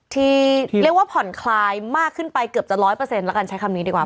ที่เรียกว่าผ่อนคลายมากขึ้นไปเกือบจะ๑๐๐ละกันใช้คำนี้ดีกว่า